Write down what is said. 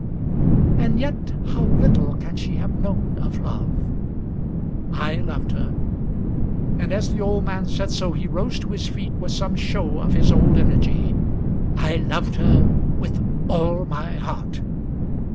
"And yet how little can she have known of love!" "I loved her." And as the old man said so he rose to his feet with some show of his old energy. "I loved her, with all my heart!